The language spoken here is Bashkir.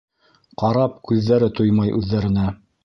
Ҡарап күҙҙәре туймай үҙҙәренә.